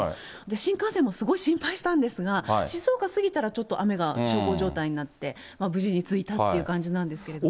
新幹線もすごい心配したんですが、静岡過ぎたら、ちょっと雨が小康状態になって、無事に着いたっていう感じなんですけれどもね。